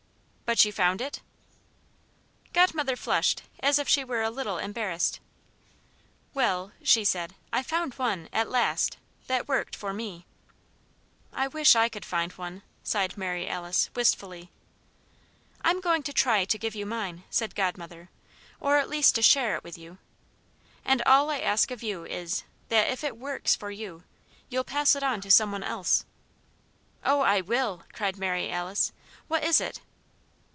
"But you found it?" Godmother flushed as if she were a little bit embarrassed. "Well," she said, "I found one at last that worked, for me." "I wish I could find one," sighed Mary Alice, wistfully. "I'm going to try to give you mine," said Godmother, "or at least to share it with you. And all I ask of you is, that if it 'works' for you, you'll pass it on to some one else." "Oh, I will!" cried Mary Alice. "What is it?"